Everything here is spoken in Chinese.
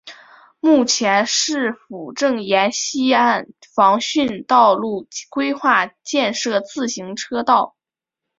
目前市府正沿溪岸防汛道路规划建设自行车道。